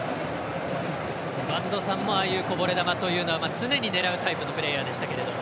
播戸さんもああいうこぼれ球というのも常に狙うタイプのプレーヤーでしたけど。